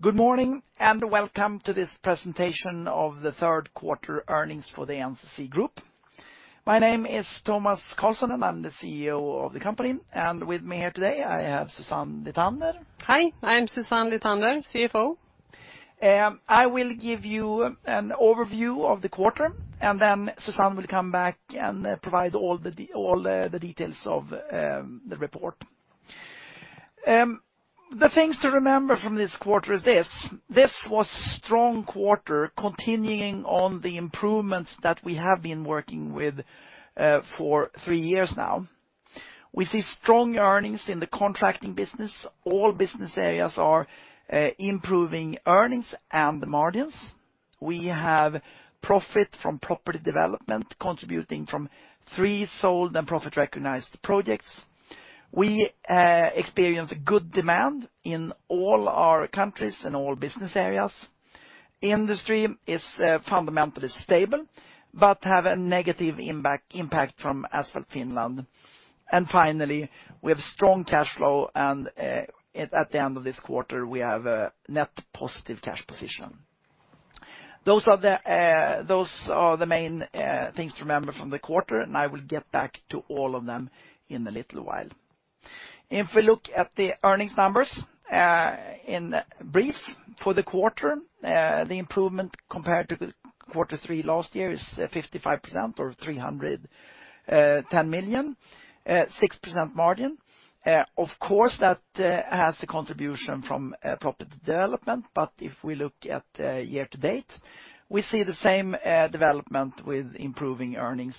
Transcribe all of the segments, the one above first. Good morning and welcome to this presentation of the third quarter earnings for the NCC Group. My name is Tomas Carlsson, and I'm the CEO of the company. With me here today, I have Susanne Lithander. Hi, I'm Susanne Lithander, CFO. I will give you an overview of the quarter, and then Susanne will come back and provide all the details of the report. The things to remember from this quarter is this. This was strong quarter continuing on the improvements that we have been working with for three years now. We see strong earnings in the contracting business. All business areas are improving earnings and margins. We have profit from property development contributing from three sold and profit-recognized projects. We experience good demand in all our countries, in all business areas. Industry is fundamentally stable, but have a negative impact from Asphalt Finland. Finally, we have strong cash flow and at the end of this quarter, we have a net positive cash position. Those are the main things to remember from the quarter, and I will get back to all of them in a little while. If we look at the earnings numbers in brief for the quarter, the improvement compared to quarter three last year is 55% or 310 million, 6% margin. Of course, that has the contribution from property development. If we look at year to date, we see the same development with improving earnings,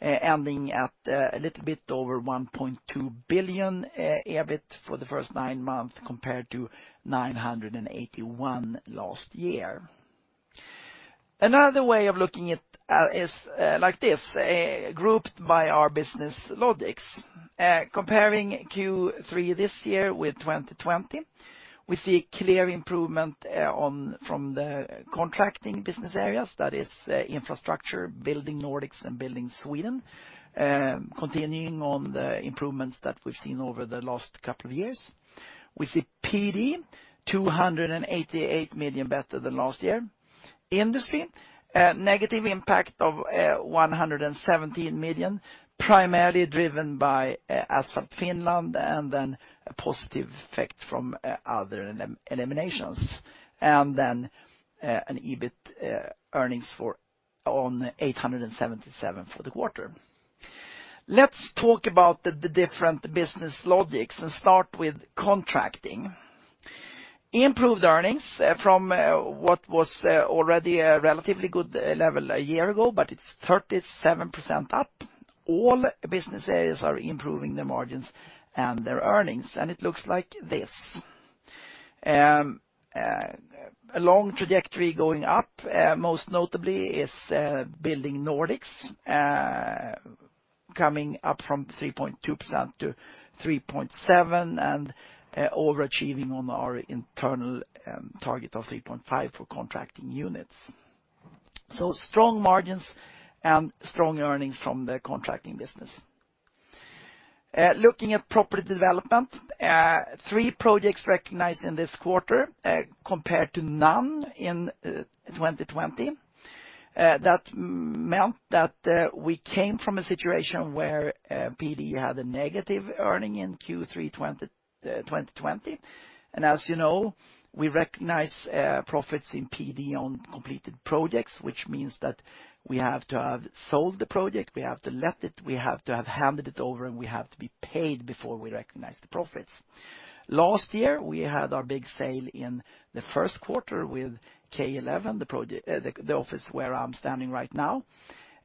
ending at a little bit over 1.2 billion EBIT for the first nine months compared to 981 million last year. Another way of looking at it is like this, grouped by our business areas. Comparing Q3 this year with 2020, we see clear improvement from the contracting business areas, that is, Infrastructure, Building Nordics and Building Sweden, continuing on the improvements that we've seen over the last couple of years. We see EBITA 288 million better than last year. Industry negative impact of 117 million, primarily driven by Asphalt Finland and then a positive effect from other eliminations. An EBIT earnings on 877 for the quarter. Let's talk about the different business areas and start with contracting. Improved earnings from what was already a relatively good level a year ago, but it's 37% up. All business areas are improving their margins and their earnings, and it looks like this. A long trajectory going up, most notably is Building Nordics coming up from 3.2% to 3.7% and overachieving on our internal target of 3.5% for contracting units. Strong margins and strong earnings from the contracting business. Looking at property development, three projects recognized in this quarter compared to none in 2020. That meant that we came from a situation where PD had a negative earning in Q3 2020. As you know, we recognize profits in PD on completed projects, which means that we have to have sold the project, we have to let it, we have to have handed it over, and we have to be paid before we recognize the profits. Last year, we had our big sale in the first quarter with K11, the office where I'm standing right now.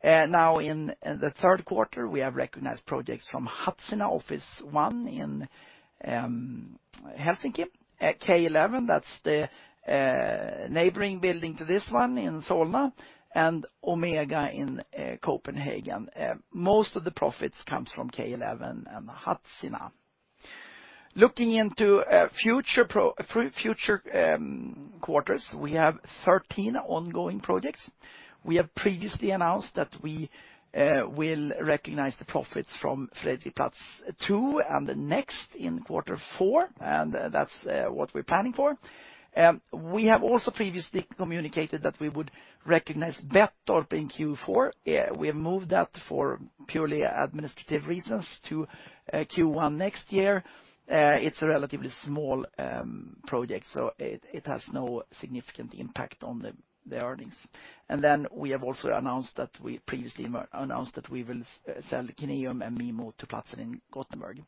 Now in the third quarter, we have recognized projects from Hatsina Office One in Helsinki. K11, that's the neighboring building to this one in Solna and Omega in Aarhus. Most of the profits comes from K11 and Hatsina. Looking into future quarters, we have 13 ongoing projects. We have previously announced that we will recognize the profits from Fredriksberg phase two and the next in quarter four, and that's what we're planning for. We have also previously communicated that we would recognize Bettorp in Q4. We have moved that for purely administrative reasons to Q1 next year. It's a relatively small project, so it has no significant impact on the earnings. We have also announced that we previously announced that we will sell Kineum and MIMO to Platzer in Gothenburg.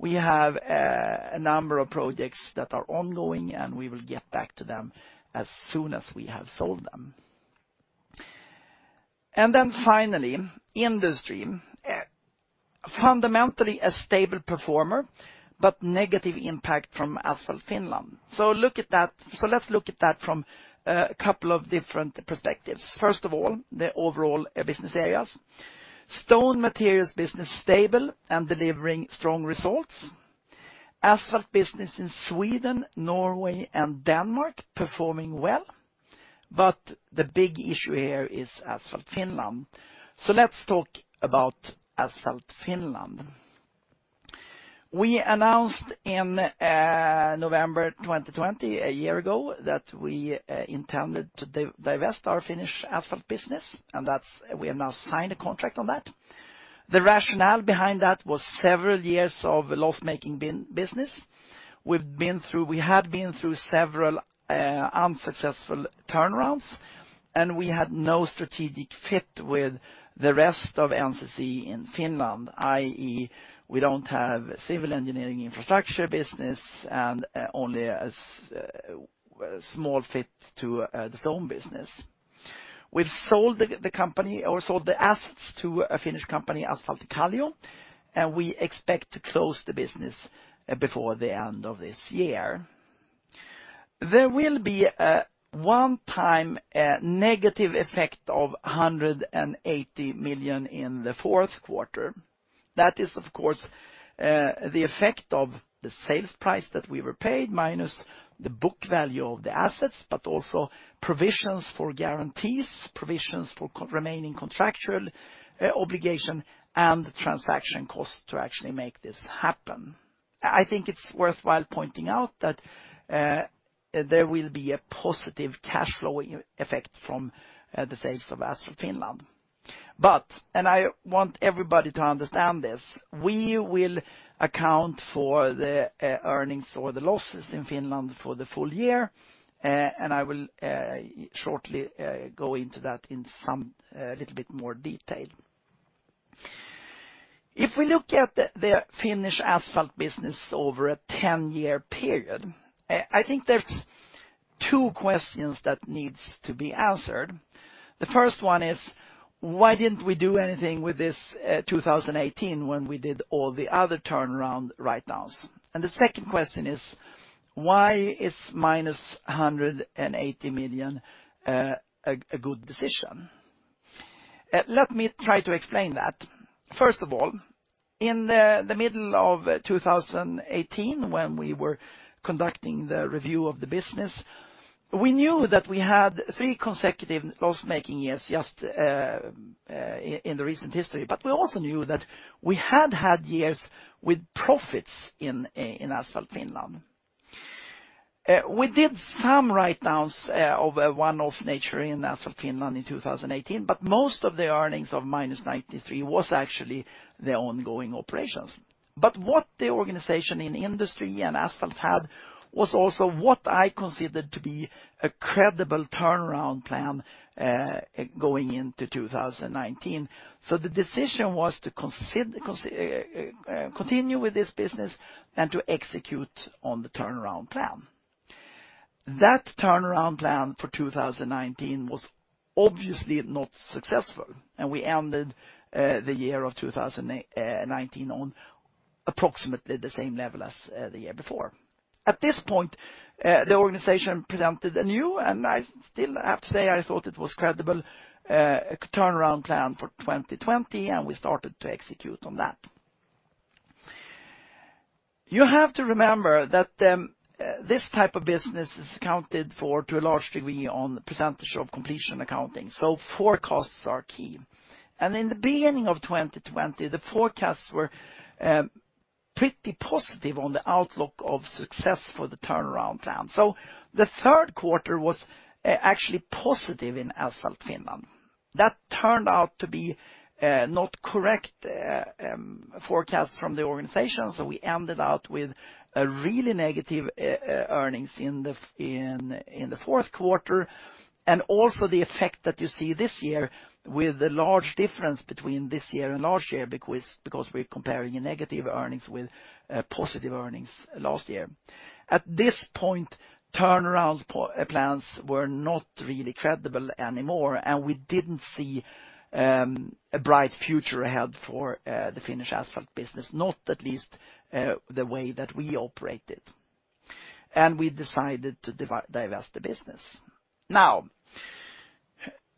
We have a number of projects that are ongoing, and we will get back to them as soon as we have sold them. Finally, industry. Fundamentally a stable performer, but negative impact from Asphalt Finland. Let's look at that from a couple of different perspectives. First of all, the overall business areas. Stone materials business stable and delivering strong results. Asphalt business in Sweden, Norway, and Denmark performing well. The big issue here is Asphalt Finland. Let's talk about Asphalt Finland. We announced in November 2020, a year ago, that we intended to divest our Finnish asphalt business, and we have now signed a contract on that. The rationale behind that was several years of loss-making business. We had been through several unsuccessful turnarounds, and we had no strategic fit with the rest of NCC in Finland, i.e. we don't have civil engineering infrastructure business and only a small fit to the stone business. We sold the company or the assets to a Finnish company, Asfalttikallio, and we expect to close the business before the end of this year. There will be a one-time negative effect of 180 million in the fourth quarter. That is, of course, the effect of the sales price that we were paid minus the book value of the assets, but also provisions for guarantees, provisions for remaining contractual obligation and the transaction costs to actually make this happen. I think it's worthwhile pointing out that there will be a positive cash flow effect from the sales of Asphalt Finland. I want everybody to understand this, we will account for the earnings or the losses in Finland for the full year, and I will shortly go into that in some little bit more detail. If we look at the Finnish Asphalt business over a 10-year period, I think there's two questions that needs to be answered. The first one is, why didn't we do anything with this 2018 when we did all the other turnaround write-downs? The second question is, why is -180 million a good decision? Let me try to explain that. First of all, in the middle of 2018, when we were conducting the review of the business, we knew that we had three consecutive loss-making years just in the recent history. We also knew that we had had years with profits in Asphalt Finland. We did some write-downs of a one-off nature in Asphalt Finland in 2018, but most of the earnings of -93 million was actually the ongoing operations. What the organization in industry and Asphalt had was also what I considered to be a credible turnaround plan going into 2019. The decision was to continue with this business and to execute on the turnaround plan. That turnaround plan for 2019 was obviously not successful, and we ended the year of 2019 on approximately the same level as the year before. At this point the organization presented a new, and I still have to say I thought it was credible, turnaround plan for 2020, and we started to execute on that. You have to remember that this type of business is accounted for to a large degree on the Percentage of Completion accounting, so forecasts are key. In the beginning of 2020, the forecasts were pretty positive on the outlook of success for the turnaround plan. The third quarter was actually positive in Asphalt Finland. That turned out to be not correct forecast from the organization, so we ended up with a really negative earnings in the fourth quarter. The effect that you see this year with the large difference between this year and last year because we're comparing negative earnings with positive earnings last year. At this point, turnaround plans were not really credible anymore, and we didn't see a bright future ahead for the Finnish asphalt business, not at least the way that we operated, and we decided to divest the business. Now,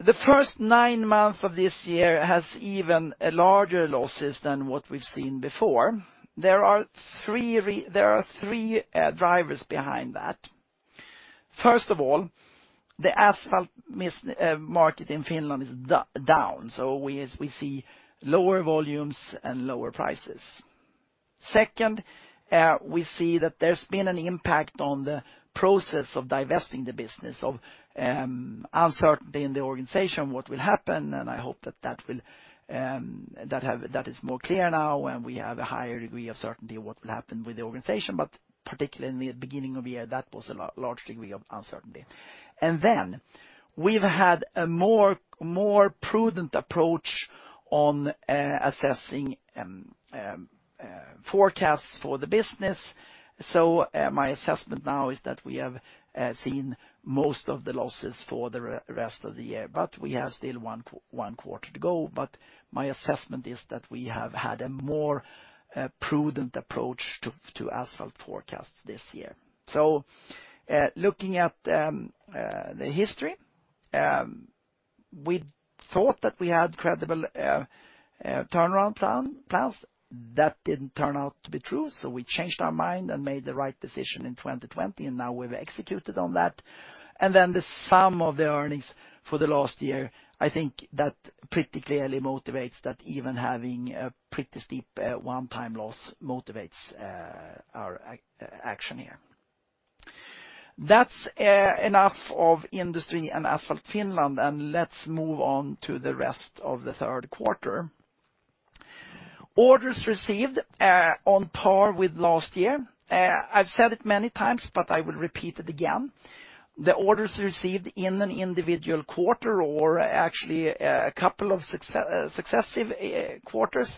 the first nine months of this year has even larger losses than what we've seen before. There are three drivers behind that. First of all, the asphalt market in Finland is down, so we see lower volumes and lower prices. Second, we see that there's been an impact on the process of divesting the business of uncertainty in the organization, what will happen, and I hope that that will, that is more clear now and we have a higher degree of certainty of what will happen with the organization. Particularly in the beginning of the year, that was a large degree of uncertainty. Then we've had a more prudent approach on assessing forecasts for the business. My assessment now is that we have seen most of the losses for the rest of the year, but we have still one quarter to go, but my assessment is that we have had a more prudent approach to Asphalt forecasts this year. Looking at the history, we thought that we had credible turnaround plans. That didn't turn out to be true, so we changed our mind and made the right decision in 2020, and now we've executed on that. Then the sum of the earnings for the last year, I think that pretty clearly motivates that even having a pretty steep one-time loss motivates our action here. That's enough of Industry and Asphalt Finland, and let's move on to the rest of the third quarter. Orders received on par with last year. I've said it many times, but I will repeat it again. The orders received in an individual quarter or actually a couple of successive quarters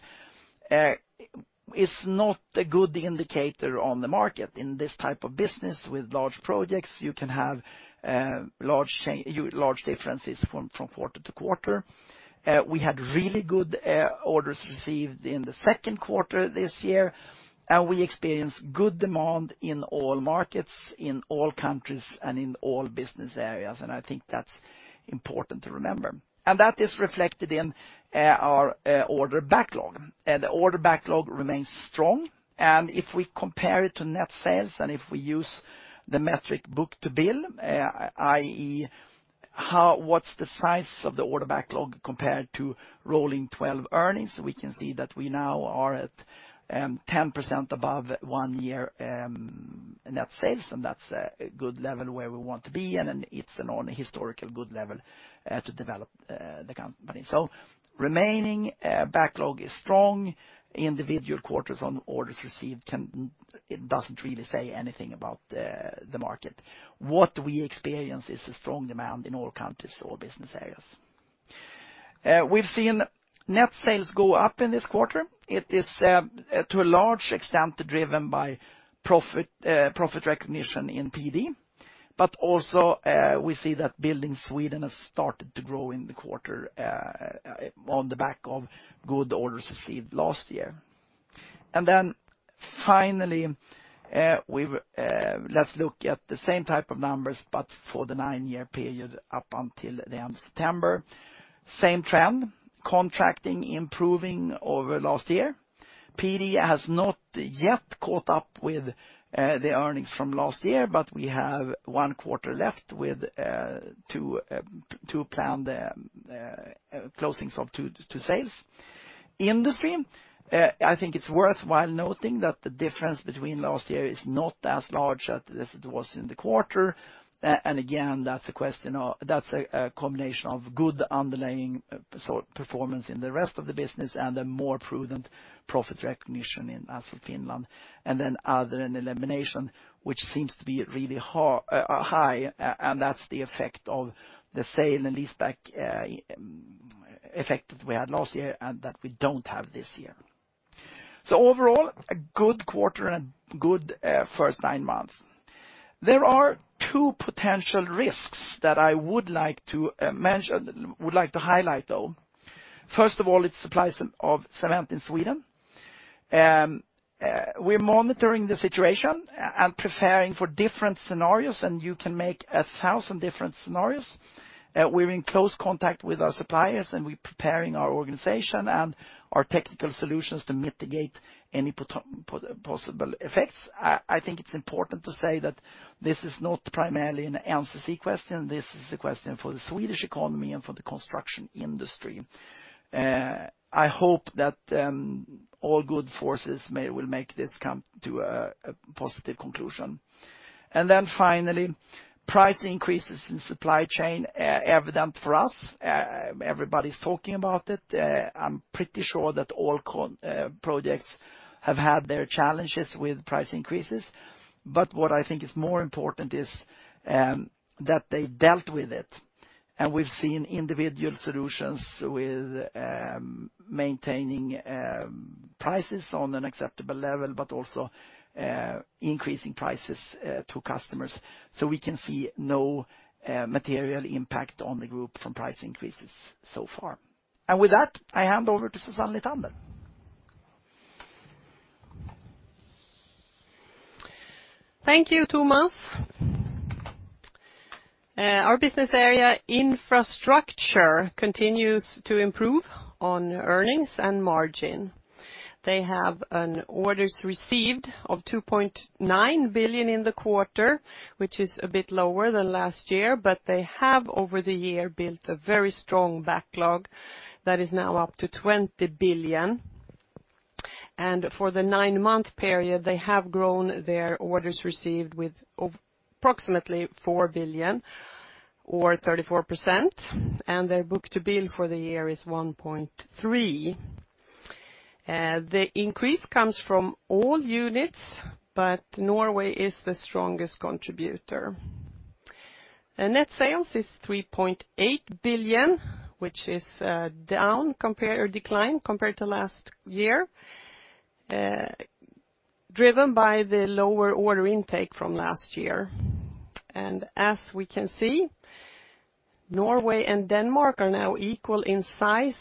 is not a good indicator of the market. In this type of business with large projects, you can have large differences from quarter to quarter. We had really good orders received in the second quarter this year, and we experienced good demand in all markets, in all countries, and in all business areas, and I think that's important to remember. That is reflected in our order backlog. The order backlog remains strong, and if we compare it to net sales and if we use the metric book-to-bill, i.e., how... What's the size of the order backlog compared to rolling 12 earnings? We can see that we now are at 10% above one year net sales, and that's a good level where we want to be, and it's an all-time good level to develop the company. Remaining backlog is strong. Individual quarters on orders received can't really say anything about the market. What we experience is a strong demand in all countries, all business areas. We've seen net sales go up in this quarter. It is to a large extent driven by profit recognition in PD. But also we see that Building Sweden has started to grow in the quarter on the back of good orders received last year. Finally, let's look at the same type of numbers, but for the 9-year period up until the end of September. Same trend, contracting, improving over last year. PD has not yet caught up with the earnings from last year, but we have one quarter left with two planned closings of two sales. Industry, I think it's worthwhile noting that the difference between last year is not as large as it was in the quarter. Again, that's a combination of good underlying performance in the rest of the business and a more prudent profit recognition in Asphalt Finland. Then other and elimination, which seems to be really high, and that's the effect of the sale and lease back effect that we had last year and that we don't have this year. Overall, a good quarter and good first nine months. There are two potential risks that I would like to mention and highlight, though. First of all, it's supplies of cement in Sweden. We're monitoring the situation and preparing for different scenarios, and you can make a thousand different scenarios. We're in close contact with our suppliers, and we're preparing our organization and our technical solutions to mitigate any possible effects. I think it's important to say that this is not primarily an NCC question, this is a question for the Swedish economy and for the construction industry. I hope that all good forces will make this come to a positive conclusion. Finally, price increases in supply chain evident for us. Everybody's talking about it. I'm pretty sure that all our projects have had their challenges with price increases. What I think is more important is that they dealt with it. We've seen individual solutions with maintaining prices on an acceptable level, but also increasing prices to customers. We can see no material impact on the group from price increases so far. With that, I hand over to Susanne Lithander. Thank you, Tomas. Our business area Infrastructure continues to improve on earnings and margin. They have orders received of 2.9 billion in the quarter, which is a bit lower than last year, but they have over the year built a very strong backlog that is now up to 20 billion. For the nine-month period, they have grown their orders received with approximately 4 billion or 34%, and their book-to-bill for the year is 1.3. The increase comes from all units, but Norway is the strongest contributor. Net sales is 3.8 billion, which is declined compared to last year, driven by the lower order intake from last year. As we can see, Norway and Denmark are now equal in size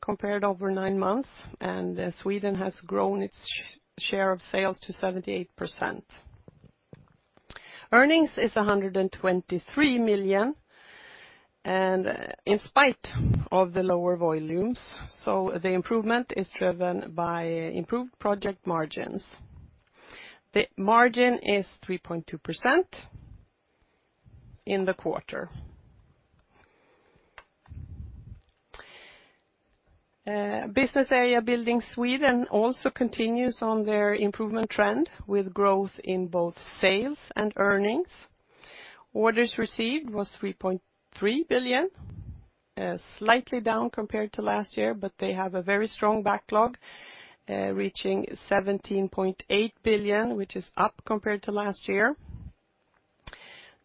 compared over nine months, and Sweden has grown its share of sales to 78%. Earnings is 123 million, and in spite of the lower volumes, the improvement is driven by improved project margins. The margin is 3.2% in the quarter. Business area Building Sweden also continues on their improvement trend with growth in both sales and earnings. Orders received was 3.3 billion, slightly down compared to last year, but they have a very strong backlog, reaching 17.8 billion, which is up compared to last year.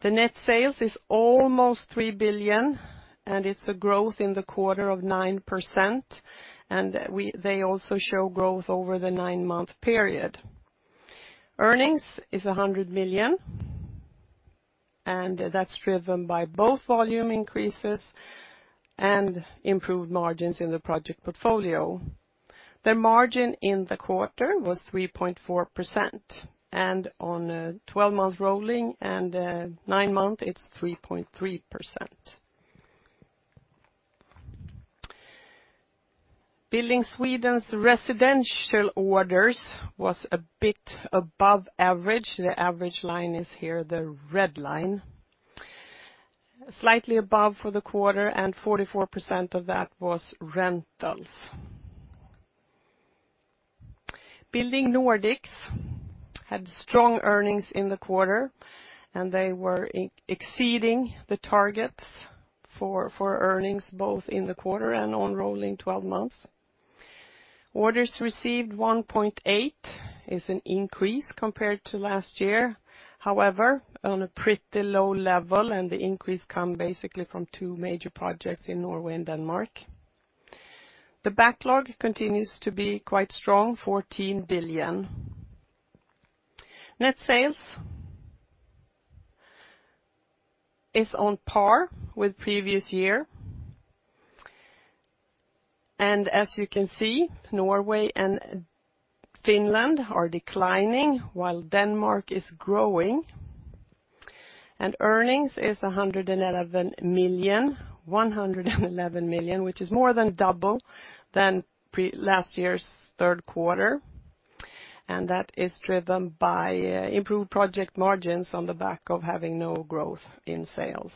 The net sales is almost 3 billion, and it's a growth in the quarter of 9%, and they also show growth over the nine-month period. Earnings is 100 million, and that's driven by both volume increases and improved margins in the project portfolio. The margin in the quarter was 3.4%, and on 12 months rolling and 9 months, it's 3.3%. Building Sweden's residential orders was a bit above average. The average line is here, the red line. Slightly above for the quarter, and 44% of that was rentals. Building Nordics had strong earnings in the quarter, and they were exceeding the targets for earnings, both in the quarter and on rolling 12 months. Orders received 1.8 billion. It's an increase compared to last year, however, on a pretty low level, and the increase comes basically from two major projects in Norway and Denmark. The backlog continues to be quite strong, 14 billion. Net sales is on par with previous year. As you can see, Norway and Finland are declining while Denmark is growing. Earnings is 111 million, which is more than double than last year's third quarter. That is driven by improved project margins on the back of having no growth in sales.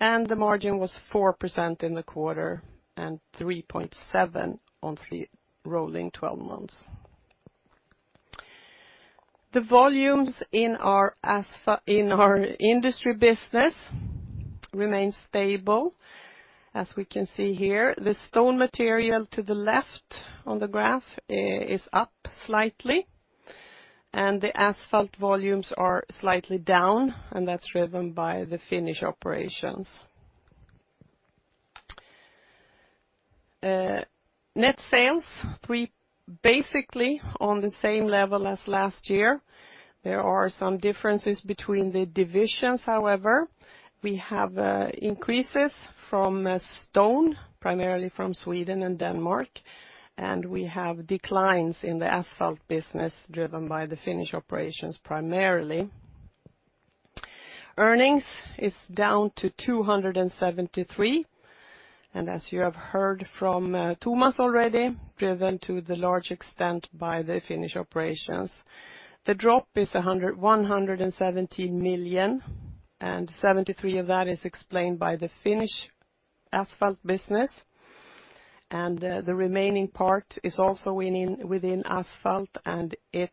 The margin was 4% in the quarter and 3.7% on the rolling 12 months. The volumes in our industry business remain stable. As we can see here, the stone material to the left on the graph is up slightly, and the asphalt volumes are slightly down, and that's driven by the Finnish operations. Net sales basically on the same level as last year. There are some differences between the divisions, however. We have increases from stone, primarily from Sweden and Denmark, and we have declines in the asphalt business driven by the Finnish operations primarily. Earnings is down to 273 million, and as you have heard from Tomas already, driven to the large extent by the Finnish operations. The drop is 117 million, and 73 million of that is explained by the Finnish asphalt business. The remaining part is also within asphalt, and it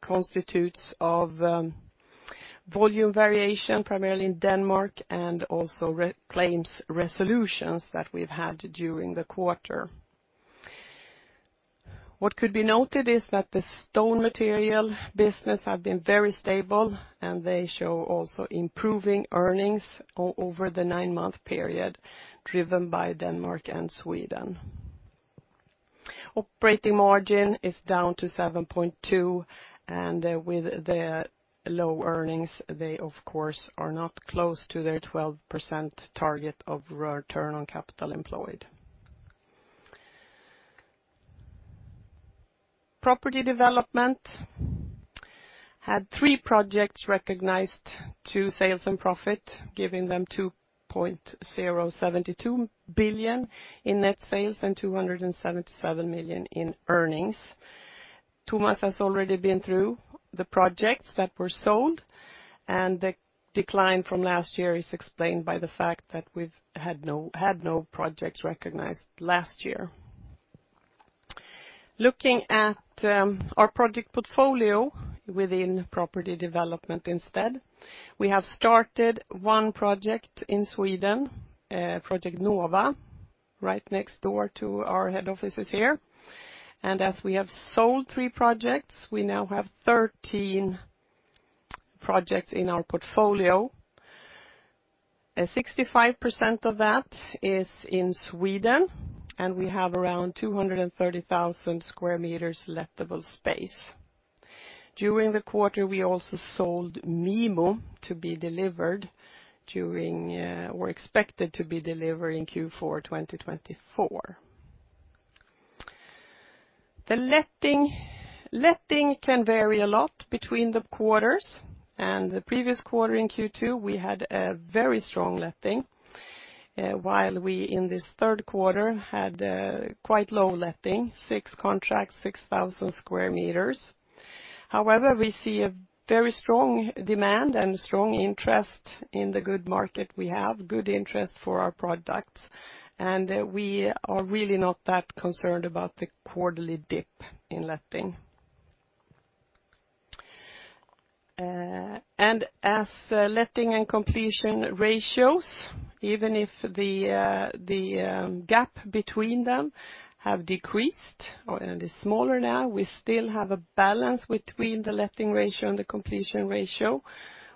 constitutes of volume variation, primarily in Denmark, and also reclaims resolutions that we've had during the quarter. What could be noted is that the stone material business have been very stable, and they show also improving earnings over the nine-month period, driven by Denmark and Sweden. Operating margin is down to 7.2%, and with the low earnings, they of course are not close to their 12% target of return on capital employed. Property development had three projects recognized to sales and profit, giving them 2.072 billion in net sales and 277 million in earnings. Tomas has already been through the projects that were sold, and the decline from last year is explained by the fact that we've had no projects recognized last year. Looking at our project portfolio within property development instead, we have started one project in Sweden, Project Nova, right next door to our head offices here. As we have sold three projects, we now have 13 projects in our portfolio. 65% of that is in Sweden, and we have around 230,000 sq m lettable space. During the quarter, we also sold MIMO to be delivered during, or expected to be delivered in Q4 2024. The letting can vary a lot between the quarters, and the previous quarter in Q2 we had a very strong letting. While we in this third quarter had quite low letting, six contracts, 6,000 sq m. However, we see a very strong demand and strong interest in the good market we have, good interest for our products, and we are really not that concerned about the quarterly dip in letting. As letting and completion ratios, even if the gap between them have decreased or it is smaller now, we still have a balance between the letting ratio and the completion ratio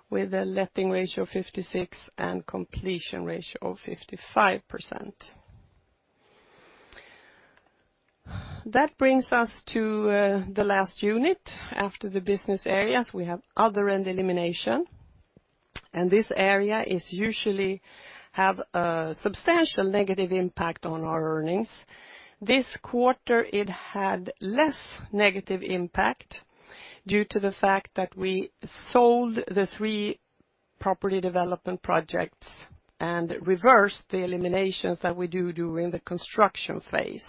with a letting ratio of 56% and completion ratio of 55%. That brings us to the last unit. After the business areas, we have other and elimination, and this area usually has a substantial negative impact on our earnings. This quarter it had less negative impact due to the fact that we sold the three property development projects and reversed the eliminations that we do during the construction phase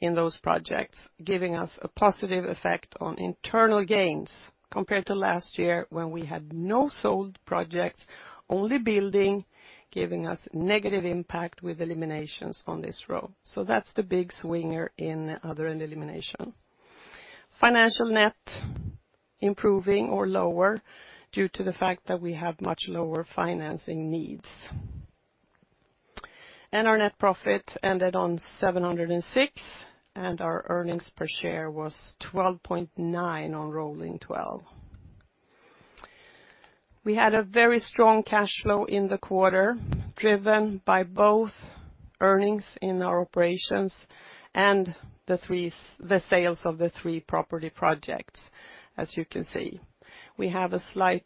in those projects, giving us a positive effect on internal gains compared to last year when we had no sold projects, only building, giving us negative impact with eliminations on this row. That's the big swinger in other and elimination. Financial net improving or lower due to the fact that we have much lower financing needs. Our net profit ended on 706, and our earnings per share was 12.9 on rolling 12. We had a very strong cash flow in the quarter, driven by both earnings in our operations and the sales of the three property projects, as you can see. We have a slight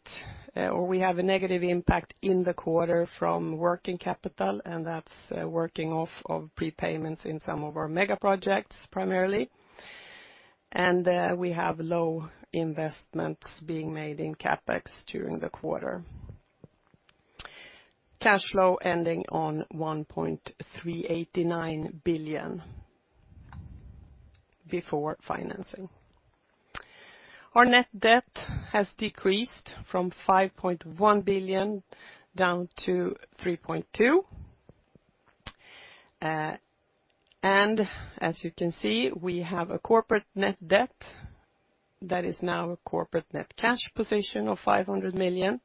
or we have a negative impact in the quarter from working capital, and that's working off of prepayments in some of our mega projects primarily. We have low investments being made in CapEx during the quarter. Cash flow ending on 1.389 billion before financing. Our net debt has decreased from 5.1 billion down to 3.2 billion. As you can see, we have a corporate net debt that is now a corporate net cash position of 500 million.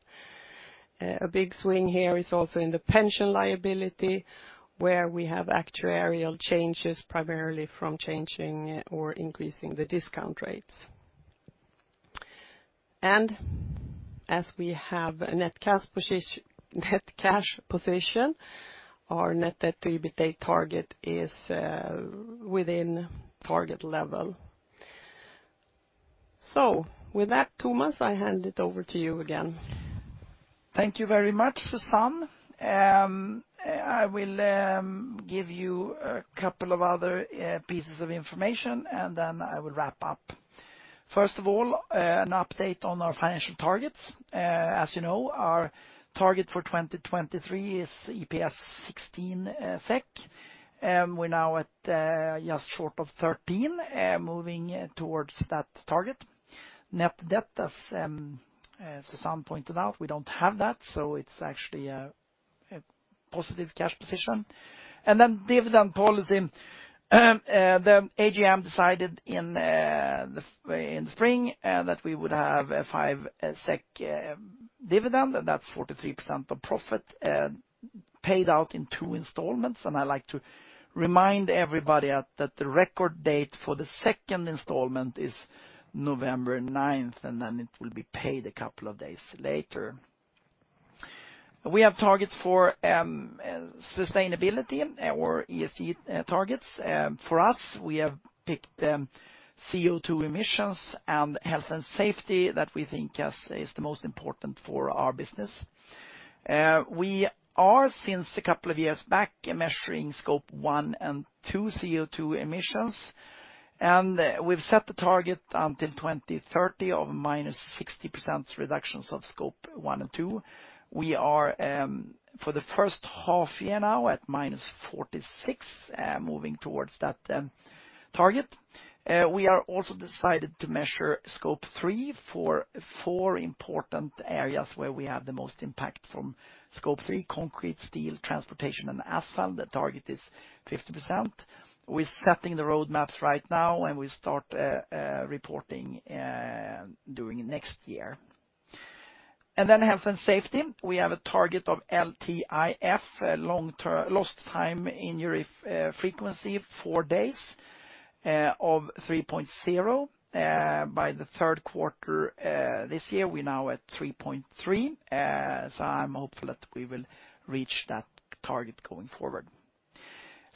A big swing here is also in the pension liability, where we have actuarial changes primarily from changing or increasing the discount rates. As we have a net cash position, our net debt to EBITA target is within target level. With that, Tomas, I hand it over to you again. Thank you very much, Susanne. I will give you a couple of other pieces of information, and then I will wrap up. First of all, an update on our financial targets. As you know, our target for 2023 is EPS 16 SEK. We're now at just short of 13, moving towards that target. Net debt, as Susanne pointed out, we don't have that, so it's actually a positive cash position. Dividend policy. The AGM decided in the spring that we would have a 5 SEK dividend, and that's 43% of profit paid out in two installments. I like to remind everybody that the record date for the second installment is November ninth, and then it will be paid a couple of days later. We have targets for sustainability or ESG targets. For us, we have picked CO2 emissions and health and safety that we think is the most important for our business. We are since a couple of years back measuring Scope 1 and 2 CO2 emissions, and we've set the target until 2030 of -60% reductions of Scope 1 and 2. We are for the first half year now at -46%, moving towards that target. We have also decided to measure Scope 3 for four important areas where we have the most impact from Scope 3: concrete, steel, transportation, and asphalt. The target is 50%. We're setting the roadmaps right now, and we start reporting during next year. Health and safety. We have a target of LTIF, Lost Time Injury Frequency, four days, of 3.0. By the third quarter, this year, we're now at 3.3, so I'm hopeful that we will reach that target going forward.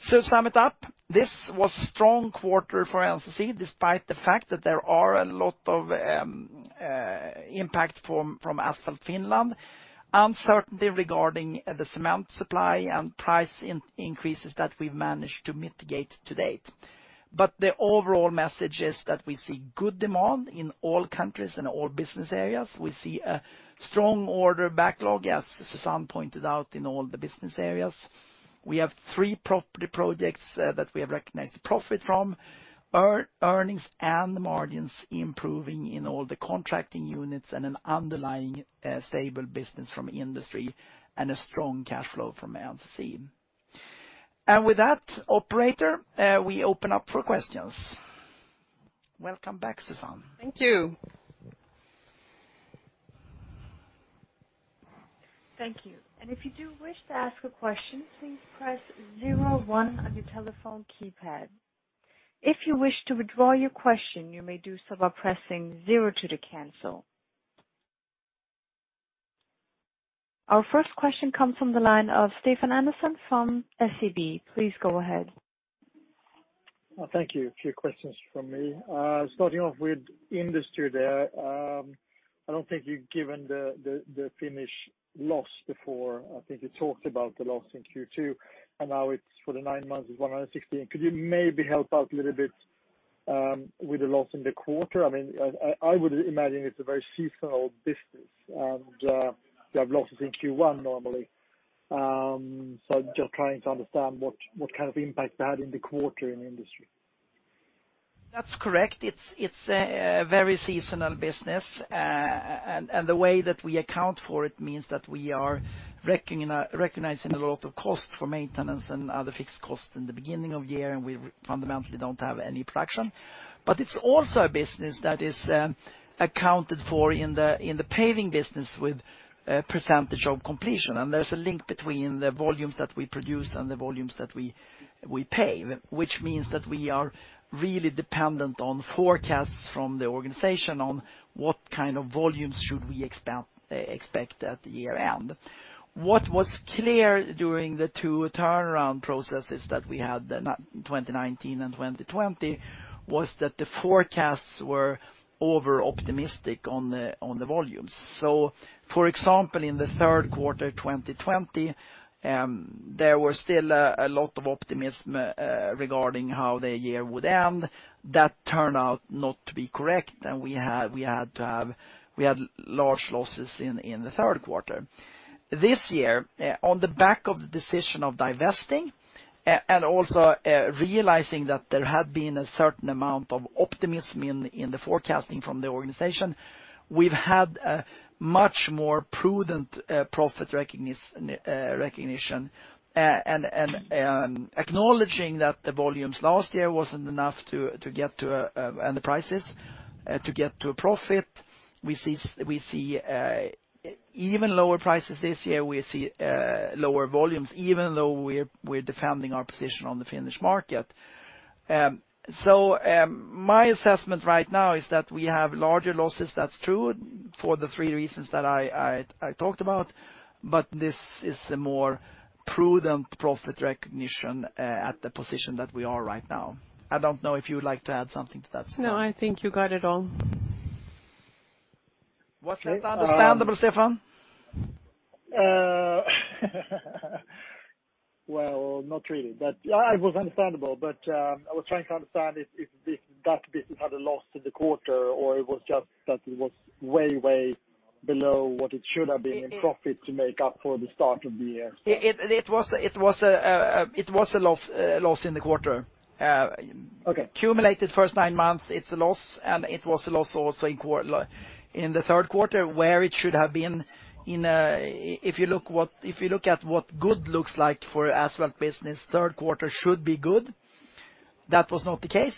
To sum it up, this was a strong quarter for NCC, despite the fact that there are a lot of impact from Asphalt Finland, uncertainty regarding the cement supply, and price increases that we've managed to mitigate to date. The overall message is that we see good demand in all countries, in all business areas. We see a strong order backlog, as Susanne pointed out, in all the business areas. We have three property projects that we have recognized profit from. Earnings and margins improving in all the contracting units, and an underlying, stable business from industry, and a strong cash flow from MC. With that, operator, we open up for questions. Welcome back, Susanne. Thank you. Thank you. And if you do wish to ask a question, please press zero one on your telephone keypad. If you wish to withdraw your question, you may do so by pressing zero two to cancel. Our first question comes from the line of Stefan Andersson from SEB. Please go ahead. Well, thank you. A few questions from me. Starting off with Industry there. I don't think you've given the Finnish loss before. I think you talked about the loss in Q2, and now it's for the nine months is 116. Could you maybe help out a little bit with the loss in the quarter? I mean, I would imagine it's a very seasonal business, and you have losses in Q1 normally. Just trying to understand what kind of impact that had in the quarter in Industry. That's correct. It's a very seasonal business. The way that we account for it means that we are recognizing a lot of cost for maintenance and other fixed costs in the beginning of the year, and we fundamentally don't have any production. It's also a business that is accounted for in the paving business with a Percentage of Completion. There's a link between the volumes that we produce and the volumes that we pave, which means that we are really dependent on forecasts from the organization on what kind of volumes should we expect at year-end. What was clear during the two turnaround processes that we had in 2019 and 2020 was that the forecasts were over-optimistic on the volumes. For example, in the third quarter, 2020, there was still a lot of optimism regarding how the year would end. That turned out not to be correct. We had large losses in the third quarter. This year, on the back of the decision of divesting and also realizing that there had been a certain amount of optimism in the forecasting from the organization, we've had a much more prudent profit recognition. Acknowledging that the volumes last year wasn't enough to get to and the prices to get to a profit, we see even lower prices this year, we see lower volumes, even though we're defending our position on the Finnish market. My assessment right now is that we have larger losses, that's true, for the three reasons that I talked about, but this is a more prudent profit recognition at the position that we are right now. I don't know if you would like to add something to that, Susanne. No, I think you got it all. Was that understandable, Stefan? Well, not really, but it was understandable. I was trying to understand if that business had a loss in the quarter or it was just that it was way below what it should have been in profit to make up for the start of the year. It was a loss in the quarter. Okay. Cumulative first nine months, it's a loss, and it was a loss also in the third quarter, where it should have been, if you look at what good looks like for asphalt business, third quarter should be good. That was not the case.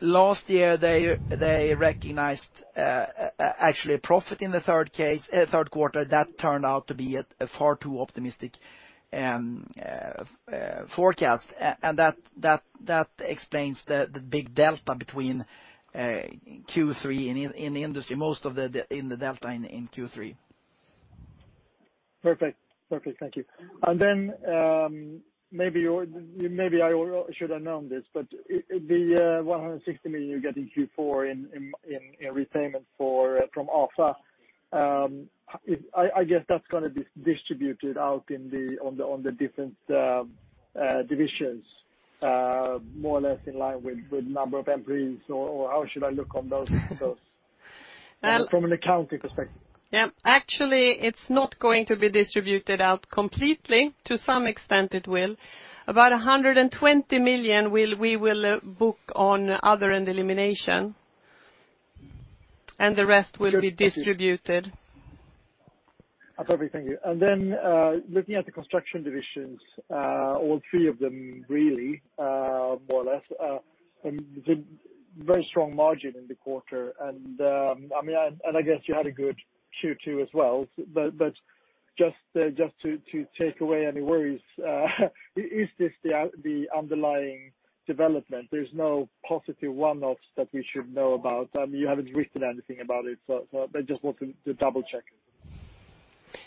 Last year, they recognized actually a profit in the third quarter. That turned out to be a far too optimistic forecast. That explains the big delta between Q3 in Industry, most of the delta in Q3. Perfect. Thank you. Maybe I should have known this, but the 160 million you get in Q4 in repayment from Afa is. I guess that's gonna be distributed out in the different divisions more or less in line with number of employees or how should I look on those? Just from an accounting perspective. Yeah. Actually, it's not going to be distributed out completely. To some extent, it will. About 120 million we will book on other and elimination, and the rest will be distributed. Perfect. Thank you. Looking at the construction divisions, all three of them really, more or less, the very strong margin in the quarter. I mean, I guess you had a good Q2 as well. Just to take away any worries, is this the underlying development? There's no positive one-offs that we should know about. I mean, you haven't written anything about it, so I just wanted to double-check.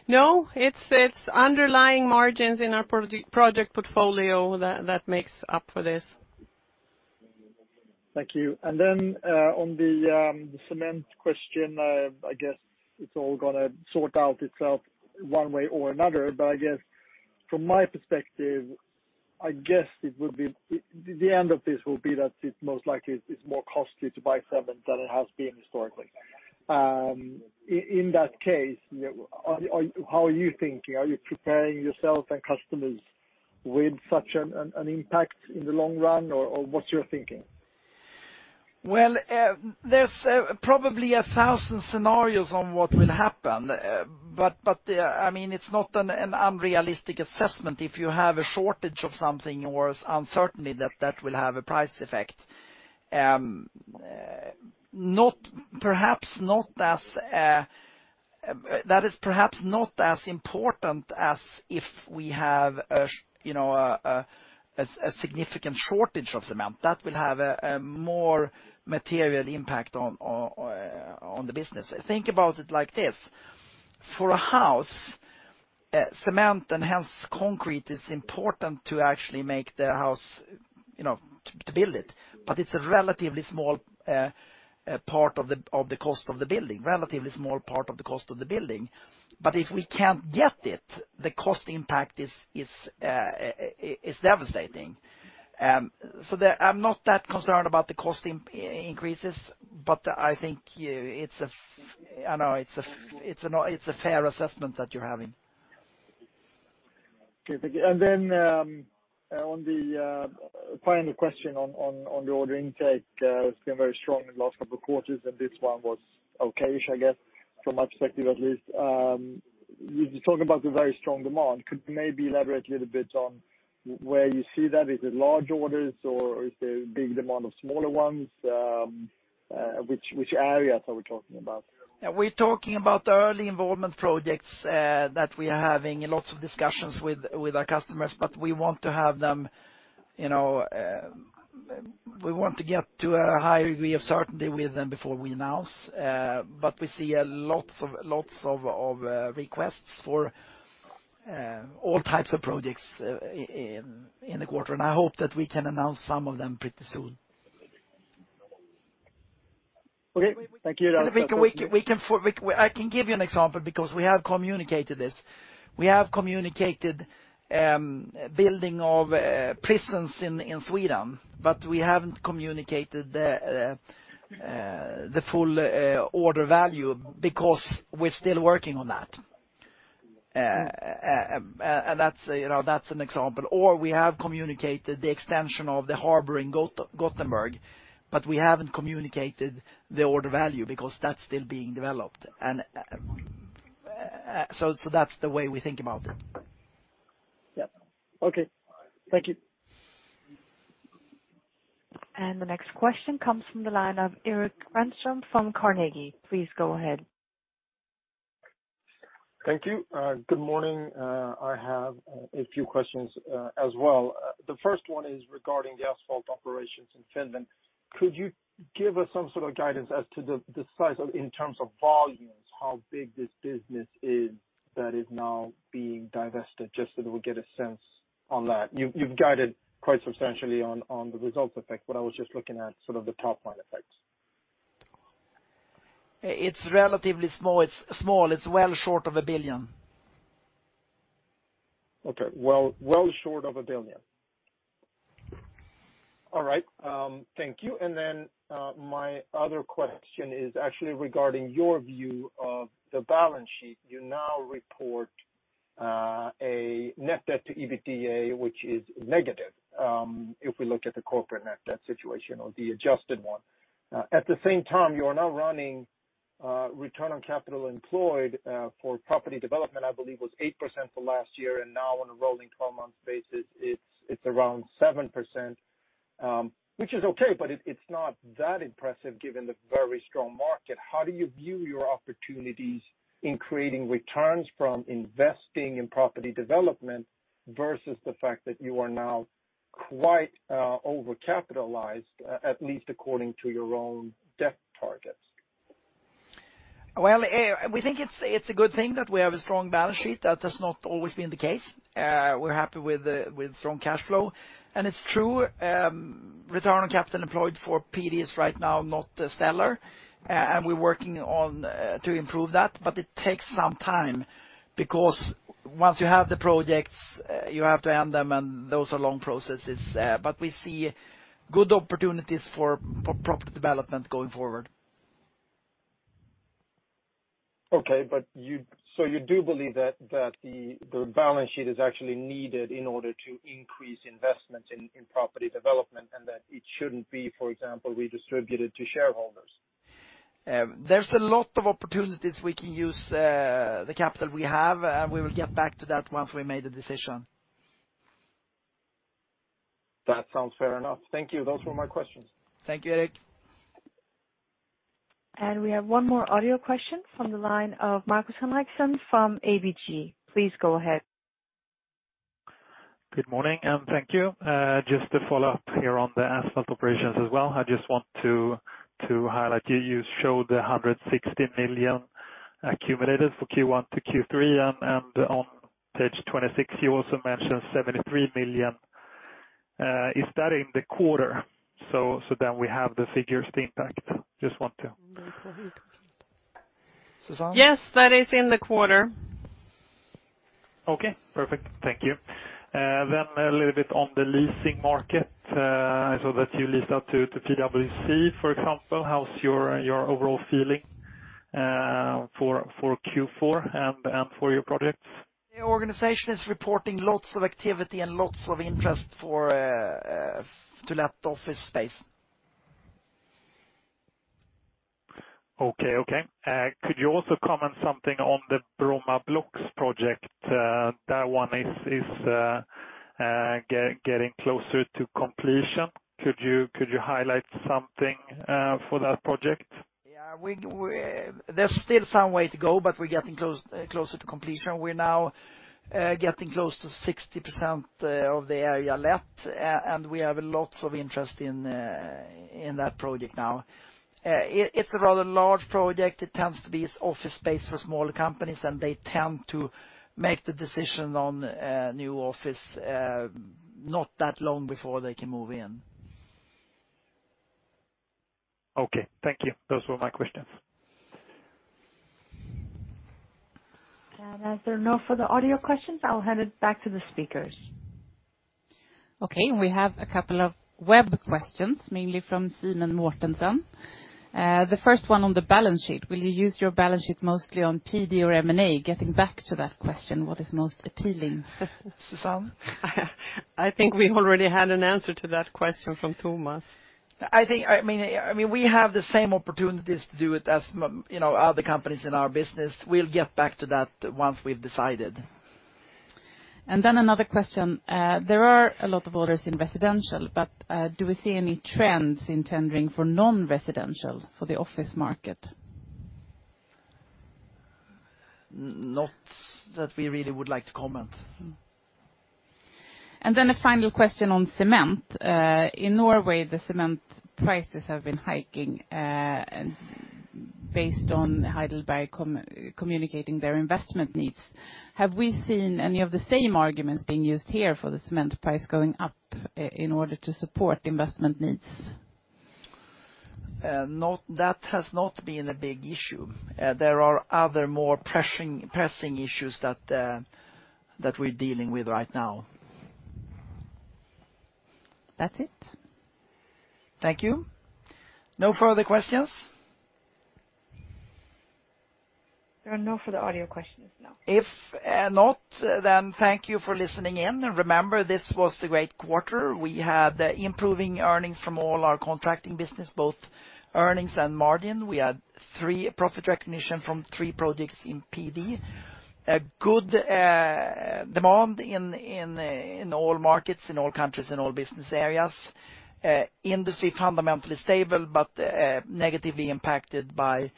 No, it's underlying margins in our project portfolio that makes up for this. Thank you. On the cement question, I guess it's all gonna sort out itself one way or another, but I guess from my perspective, I guess the end of this will be that it most likely is more costly to buy cement than it has been historically. In that case, you know, how are you thinking? Are you preparing yourself and customers with such an impact in the long run or what's your thinking? Well, there's probably 1,000 scenarios on what will happen. I mean, it's not an unrealistic assessment if you have a shortage of something or uncertainty that that will have a price effect. Perhaps not as important as if we have a shortage, you know, a significant shortage of cement. That will have a more material impact on the business. Think about it like this. For a house, cement and hence concrete is important to actually make the house, you know, to build it, but it's a relatively small part of the cost of the building. If we can't get it, the cost impact is devastating. I'm not that concerned about the cost increases, but I think it's a fair assessment that you're having. Okay. Thank you. On the final question on the order intake, it's been very strong in the last couple of quarters, and this one was okay-ish, I guess, from my perspective at least. You talk about the very strong demand. Could you maybe elaborate a little bit on where you see that? Is it large orders or is there a big demand of smaller ones? Which areas are we talking about? Yeah. We're talking about early involvement projects that we are having lots of discussions with our customers, but we want to have them, you know, we want to get to a high degree of certainty with them before we announce. But we see lots of requests for all types of projects in the quarter, and I hope that we can announce some of them pretty soon. Okay. Thank you. I can give you an example because we have communicated this. We have communicated building of prisons in Sweden, but we haven't communicated the full order value because we're still working on that. That's, you know, that's an example. We have communicated the extension of the harbor in Gothenburg, but we haven't communicated the order value because that's still being developed. That's the way we think about it. Yeah. Okay. Thank you. The next question comes from the line of Erik Granström from Carnegie. Please go ahead. Thank you. Good morning. I have a few questions as well. The first one is regarding the asphalt operations in Finland. Could you give us some sort of guidance as to the size in terms of volumes, how big this business is that is now being divested, just so that we get a sense on that? You've guided quite substantially on the results effect, but I was just looking at sort of the top-line effects. It's relatively small. It's small. It's well short of SEK 1 billion. Well short of a billion. All right. Thank you. My other question is actually regarding your view of the balance sheet. You now report a net debt to EBITDA, which is negative, if we look at the corporate net debt situation or the adjusted one. At the same time, you are now running Return on Capital Employed for property development, I believe was 8% for last year, and now on a rolling 12-month basis, it's around 7%, which is okay, but it's not that impressive given the very strong market. How do you view your opportunities in creating returns from investing in property development versus the fact that you are now quite overcapitalized, at least according to your own debt targets? Well, we think it's a good thing that we have a strong balance sheet. That has not always been the case. We're happy with strong cash flow. It's true, Return on Capital Employed for PD is right now not stellar, and we're working on to improve that, but it takes some time because once you have the projects, you have to end them, and those are long processes. We see good opportunities for property development going forward. You do believe that the balance sheet is actually needed in order to increase investments in property development and that it shouldn't be, for example, redistributed to shareholders? There's a lot of opportunities we can use the capital we have. We will get back to that once we made a decision. That sounds fair enough. Thank you. Those were my questions. Thank you, Erik. We have one more audio question from the line of Markus Henriksson from ABG. Please go ahead. Good morning, and thank you. Just to follow up here on the asphalt operations as well, I just want to To highlight, you showed the 160 million accumulated for Q1 to Q3 and on page 26, you also mentioned 73 million. Is that in the quarter? So that we have the figures to impact. Just want to Susanne? Yes, that is in the quarter. Okay, perfect. Thank you. A little bit on the leasing market. I saw that you leased out to PwC, for example. How's your overall feeling for Q4 and for your projects? The organization is reporting lots of activity and lots of interest for to let office space. Okay. Could you also comment something on the Bromma Blocks project? That one is getting closer to completion. Could you highlight something for that project? Yeah. There's still some way to go, but we're getting close, closer to completion. We're now getting close to 60% of the area let, and we have lots of interest in that project now. It's a rather large project. It tends to be office space for smaller companies, and they tend to make the decision on new office not that long before they can move in. Okay. Thank you. Those were my questions. As there are no further audio questions, I will hand it back to the speakers. Okay. We have a couple of web questions, mainly from Simen Mortensen. The first one on the balance sheet. Will you use your balance sheet mostly on PD or M&A? Getting back to that question, what is most appealing? Susanne? I think we already had an answer to that question from Tomas. I think, I mean, we have the same opportunities to do it as you know, other companies in our business. We'll get back to that once we've decided. Another question. There are a lot of orders in residential, but do we see any trends in tendering for non-residential for the office market? Not that we really would like to comment. A final question on cement. In Norway, the cement prices have been hiking, based on HeidelbergCement communicating their investment needs. Have we seen any of the same arguments being used here for the cement price going up in order to support investment needs? That has not been a big issue. There are other more pressing issues that we're dealing with right now. That's it. Thank you. No further questions? There are no further audio questions, no. If not, then thank you for listening in. Remember, this was a great quarter. We had improving earnings from all our contracting business, both earnings and margin. We had three profit recognition from three projects in PD. A good demand in all markets, in all countries, in all business areas. Industry fundamentally stable, but negatively impacted by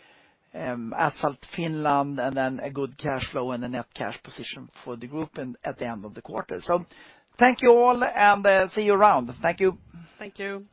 Asphalt Finland and then a good cash flow and a net cash position for the group and at the end of the quarter. Thank you all, and see you around. Thank you. Thank you.